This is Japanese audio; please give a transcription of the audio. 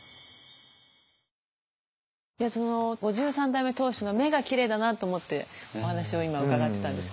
５３代目当主の目がきれいだなと思ってお話を今伺ってたんですけど